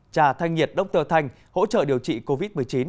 trà thanh nhiệt dr thanh hỗ trợ điều trị covid một mươi chín